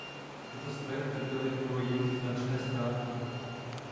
Tyto stroje utrpěly v bojích značné ztráty.